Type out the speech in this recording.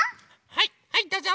はいはいどうぞ。